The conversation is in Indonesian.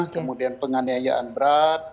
kemudian penganiayaan berat